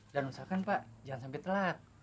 usahakan pak jangan sampai telat